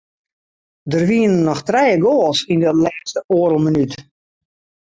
Der wiene noch trije goals yn de lêste oardel minút.